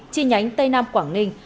chi nhánh tây nam quảng ninh